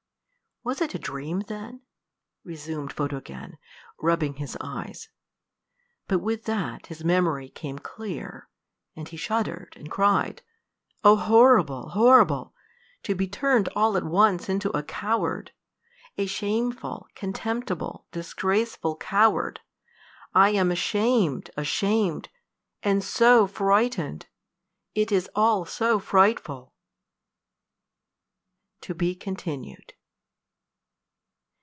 "Was it a dream, then?" resumed Photogen, rubbing his eyes. But with that his memory came clear, and he shuddered, and cried, "Oh, horrible! horrible! to be turned all at once into a coward! a shameful, contemptible, disgraceful coward! I am ashamed ashamed and so frightened! It is all so frightful!" [TO BE CONTINUED.